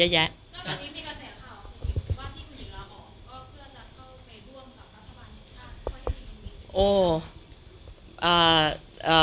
เพื่อจะเข้าไปร่วมกับรัฐบาลแห่งชาติ